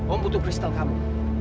om butuh kristal kamu